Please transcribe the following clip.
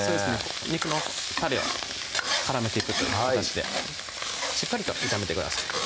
肉のたれを絡めていくという形でしっかりと炒めてください